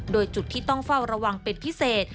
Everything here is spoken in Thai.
โดยจุดที่ต้องเฝ้าระวังเป็นพิเศษ